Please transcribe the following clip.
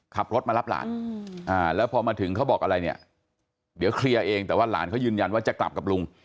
ขับรถมารับหลานแล้วพอมาถึงเขาบอกอะไรเนี่ยเดี๋ยวเคลียร์เองแต่ว่าหลานเขายืนยันว่าจะกลับกับลุง